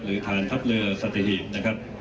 หรือทานครับเรือสัตวิทย์นะครับ